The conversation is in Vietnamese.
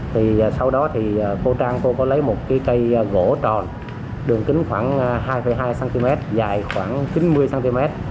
thì sau đó thì cô trang tôi có lấy một cái cây gỗ tròn đường kính khoảng hai hai cm dài khoảng chín mươi cm